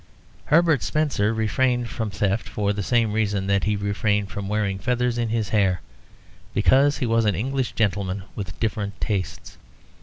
Herbert Spencer refrained from theft for the same reason that he refrained from wearing feathers in his hair, because he was an English gentleman with different tastes.